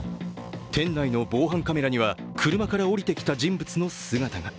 店内の防犯カメラには車から降りてきた人物の姿が。